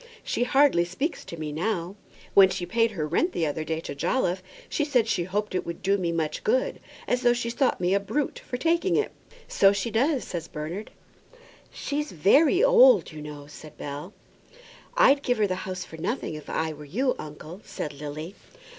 "She hardly speaks to me now. When she paid her rent the other day to Jolliffe, she said she hoped it would do me much good; as though she thought me a brute for taking it." "So she does," said Bernard. "She's very old, you know," said Bell. "I'd give her the house for nothing, if I were you, uncle," said Lily.